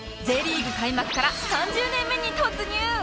Ｊ リーグ開幕から３０年目に突入